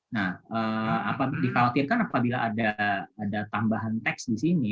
nah dikhawatirkan apabila ada tambahan teks di sini